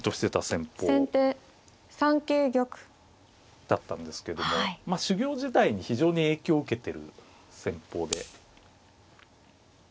先手３九玉。だったんですけども修業時代に非常に影響を受けてる戦法で。